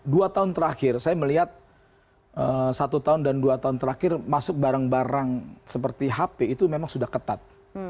dua tahun terakhir saya melihat satu tahun dan dua tahun terakhir masuk barang barang seperti hp itu memang sudah ketat